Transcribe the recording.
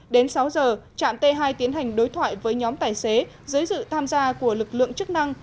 đến sáu giờ trạm t hai tiến hành đối thoại với nhóm tài xế dưới sự tham gia của lực lượng chức năng